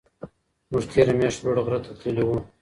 موږ تېره میاشت لوړ غره ته تللي وو.